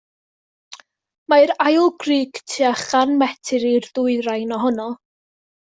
Mae'r ail grug tua chan metr i'r dwyrain ohono.